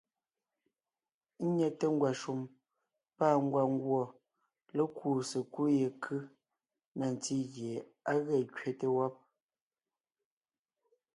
Ńnyɛte ngwàshùm pâ ngwàngùɔ lékuu sekúd yekʉ́ na ntí gie á ge kẅete wɔ́b.